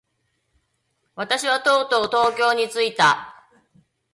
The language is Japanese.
私はとうとう東京に着いた。